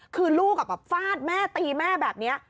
คือลูกกับแบบฟาดแม่ตีแม่แบบนี้